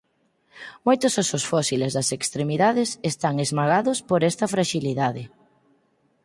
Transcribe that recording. Moitos ósos fósiles das extremidades están esmagados por esta fraxilidade.